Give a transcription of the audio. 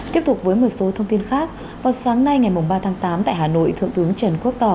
tiếp tục với một số thông tin khác vào sáng nay ngày ba tháng tám tại hà nội thượng tướng trần quốc tỏ